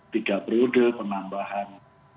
tiga periode penambahan